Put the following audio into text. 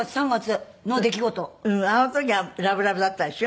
あの時はラブラブだったでしょ？